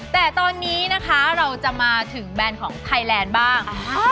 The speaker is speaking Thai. แต่ตอนนี้นะคะเราจะมาถึงแบรนด์ของไทยแลนด์บ้าง